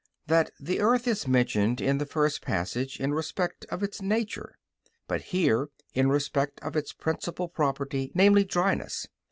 that the earth is mentioned in the first passage in respect of its nature, but here in respect of its principal property, namely, dryness.